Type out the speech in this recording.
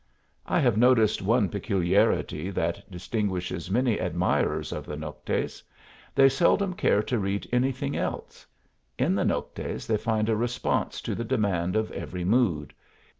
I have noticed one peculiarity that distinguishes many admirers of the Noctes: they seldom care to read anything else; in the Noctes they find a response to the demand of every mood.